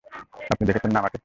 আপনি দেখছেন না আমাকে?